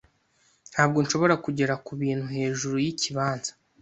Ntabwo nshobora kugera kubintu hejuru yikibanza